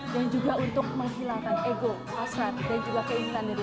dan juga untuk menghilangkan ego hasrat dan juga keinginan dalam diri kita